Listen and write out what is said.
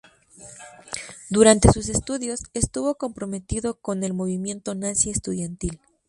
Durante sus estudios, estuvo comprometido con el movimiento nazi estudiantil.